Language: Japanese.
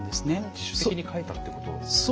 自主的に書いたということですね。